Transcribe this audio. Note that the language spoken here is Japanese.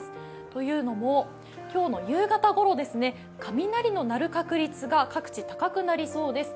というのも、今日の夕方ごろ雷の鳴る確率が各地、高くなりそうです。